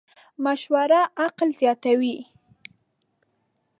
مشوره عقل زیاتوې.